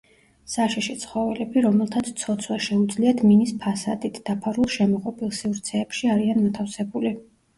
საშიში ცხოველები, რომელთაც ცოცვა შეუძლიათ მინის ფასადით დაფარულ შემოღობილ სივრცეებში არიან მოთავსებული.